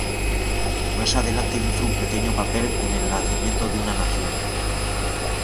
Más adelante hizo un pequeño papel en "El nacimiento de una nación".